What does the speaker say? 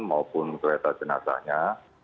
maupun kereta jenazahnya